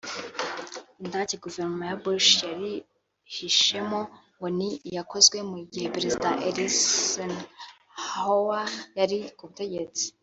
Indake gouvernement ya Bush yarihishemo ngo ni iyakozwe mu gihe perezida Eisenhower yari kubutegetsi